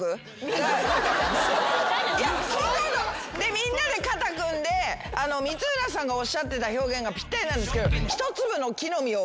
みんなで肩組んで光浦さんがおっしゃってた表現がぴったりなんですけど。